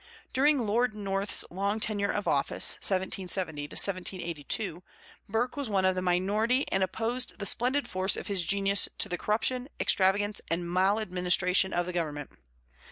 During Lord North's long tenure of office (1770 1782) Burke was one of the minority and opposed the splendid force of his genius to the corruption, extravagance, and mal administration of the government.